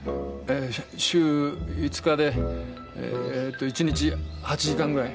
週５日で１日８時間ぐらい。